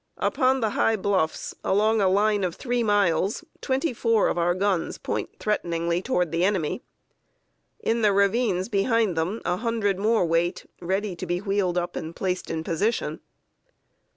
Upon the high bluffs, along a line of three miles, twenty four of our guns point threateningly toward the enemy. In the ravines behind them a hundred more wait, ready to be wheeled up and placed in position.